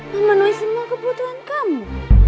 memenuhi semua kebutuhan kamu